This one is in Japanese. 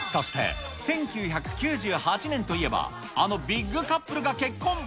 そして、１９９８年といえば、あのビッグカップルが結婚。